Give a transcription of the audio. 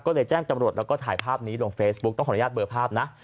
ก็เลยแจ้งตำรวจแล้วก็ถ่ายภาพนี้ลงเฟซบุ๊คต้องขออนุญาตเบอร์ภาพนะ